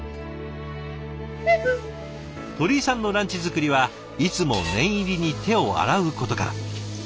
鳥居さんのランチ作りはいつも念入りに手を洗うことから。